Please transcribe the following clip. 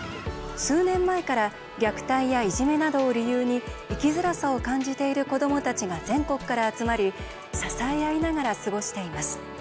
数年前から虐待やいじめなどを理由に生きづらさを感じている子どもたちが全国から集まり支え合いながら過ごしています。